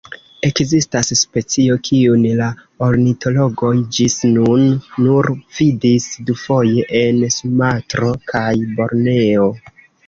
Ekzistas specio, kiun la ornitologoj ĝis nun nur vidis dufoje en Sumatro kaj Borneo.